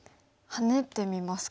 ハネてみますか。